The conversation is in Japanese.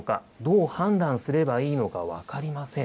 どう判断すればいいのか分かりません。